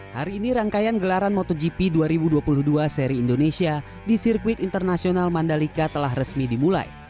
hari ini rangkaian gelaran motogp dua ribu dua puluh dua seri indonesia di sirkuit internasional mandalika telah resmi dimulai